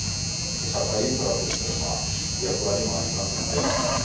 社会インフラとしての役割もありますので。